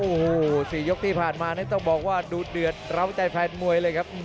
โอ้โห๔ยกที่ผ่านมานี่ต้องบอกว่าดูเดือดร้าวใจแฟนมวยเลยครับ